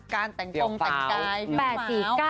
การแต่งตรงแต่งกาย